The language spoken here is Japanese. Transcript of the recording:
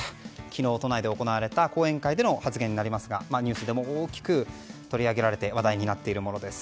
昨日、都内で行われた講演会での発言になりますがニュースでも大きく取り上げられて話題になっているものです。